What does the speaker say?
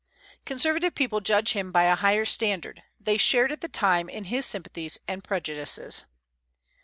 Conservative people judge him by a higher standard; they shared at the time in his sympathies and prejudices.